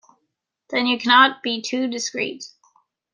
Then you cannot be too discreet.